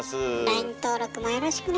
ＬＩＮＥ登録もよろしくね。